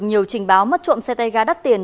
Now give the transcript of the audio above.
nhiều trình báo mất trộm xe tay ga đắt tiền